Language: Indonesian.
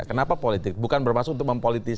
seharusnya bakal di depan dia